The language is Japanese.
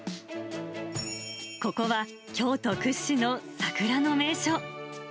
ここは京都屈指の桜の名所。